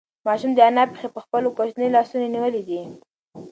ماشوم د انا پښې په خپلو کوچنیو لاسونو نیولې دي.